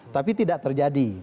tapi tidak terjadi